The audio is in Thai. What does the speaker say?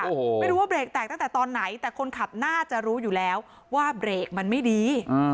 โอ้โหไม่รู้ว่าเบรกแตกตั้งแต่ตอนไหนแต่คนขับน่าจะรู้อยู่แล้วว่าเบรกมันไม่ดี